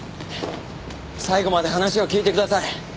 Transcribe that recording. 最後まで話を聞いてください。